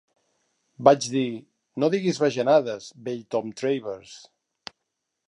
Vaig dir "No diguis bajanades, vell Tom Travers".